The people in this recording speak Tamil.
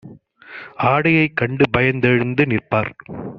ஆடையைக் கண்டுபயந் தெழுந்து நிற்பார்